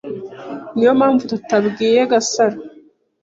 Niyo mpamvu tutabwiye Gasaro.